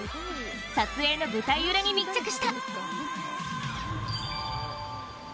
撮影の舞台裏に密着した。